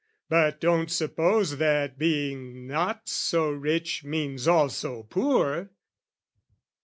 But don't suppose That being not so rich means all so poor!